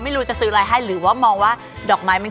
พี่อายกับพี่อ๋อมไม่ได้ครับ